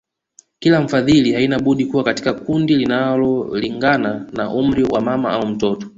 Kila mfadhili haina budi kuwa katika kundi linalolingana na umri wa mama au mtoto